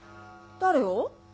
誰を？